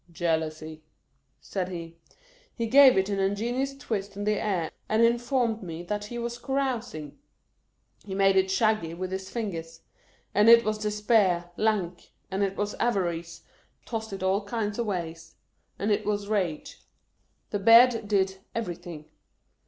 " Jealousy," said he. He gave it an ingenious twist in the air, and informed me that he was carousing. He made it shaggy with his fingers — and it was Despair ; lank — and it was avarice ; tossed it all kinds of ways — and it waa rage. The beard did everything.